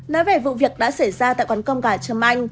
nói về vụ việc đã xảy ra tại quán cơm gà trâm anh